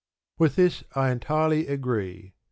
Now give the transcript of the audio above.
With this I entirely agree.